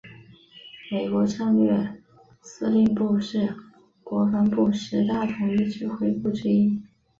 美国战略司令部是国防部十大统一指挥部之一。